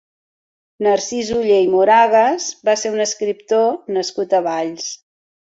Narcís Oller i Moragas va ser un escriptor nascut a Valls.